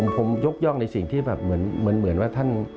ผมยกย่องในสิ่งที่แบบเหมือนว่าท่าน